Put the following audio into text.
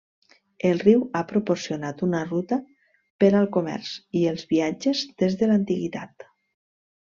El riu ha proporcionat una ruta per al comerç i els viatges des de l'antiguitat.